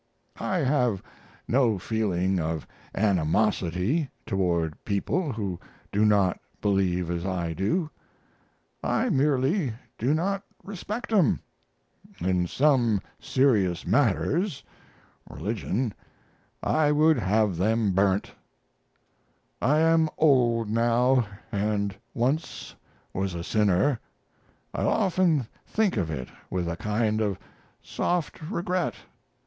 I have no feeling of animosity toward people who do not believe as I do; I merely do not respect 'em. In some serious matters (relig.) I would have them burnt. I am old now and once was a sinner. I often think of it with a kind of soft regret.